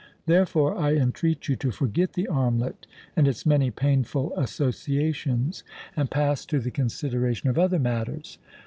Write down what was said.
Therefore I entreat you to forget the armlet and its many painful associations, and pass to the consideration of other matters.